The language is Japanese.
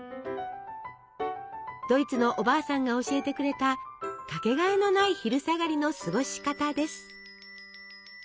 ドイツのおばあさんが教えてくれた掛けがえのない昼下がりの過ごし方です。